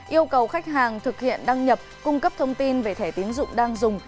yêu cầu khách hàng thực hiện đăng nhập cung cấp thông tin về thẻ tiến dụng đang dùng